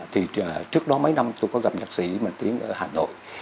thì trước đó mấy năm tôi có gặp nhạc sĩ mạnh tiến ở hà nội